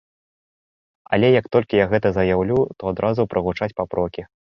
Але як толькі я гэта заяўлю, то адразу прагучаць папрокі.